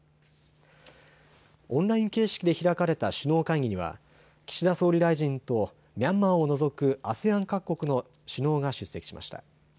オンライン形式で開かれた首脳会議には岸田総理大臣とミャンマーを除くＡＳＥＡＮ各国の首脳が出席しました。